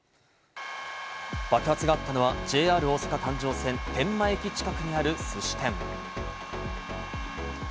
爆発があったのは、ＪＲ大阪環状線・天満駅近くにあるすし店。